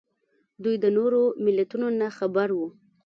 دوی د نورو ملتونو نه خبر وو